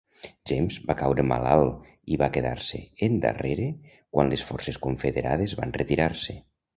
James va caure malalt i va quedar-se endarrere quan les forces Confederades van retirar-se.